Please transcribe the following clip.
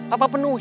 papa penuhi boy